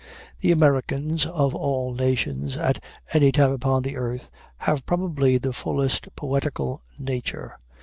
The Americans of all nations at any time upon the earth, have probably the fullest poetical nature.